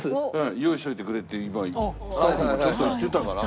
用意しといてくれってスタッフもちょっと言ってたから。